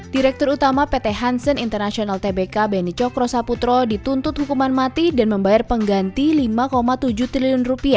direktur utama pt hansen internasional tbk beni cokro saputro dituntut hukuman mati dan membayar pengganti rp lima tujuh triliun